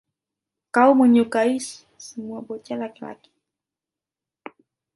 Kau menyukai semua bocah laki-laki.